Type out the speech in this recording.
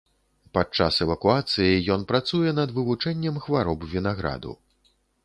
Падчас эвакуацыі ён працуе над вывучэннем хвароб вінаграду.